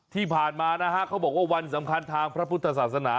ที่ผ่านมานะฮะเขาบอกว่าวันสำคัญทางพระพุทธศาสนา